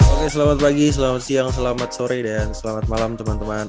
oke selamat pagi selamat siang selamat sore dan selamat malam teman teman